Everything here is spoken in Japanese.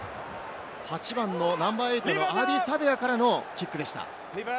８番のナンバー８、アーディー・サヴェアからのキックでした。